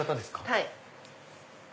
はい。